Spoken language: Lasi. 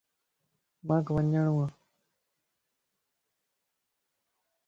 مانک وڃڻوَ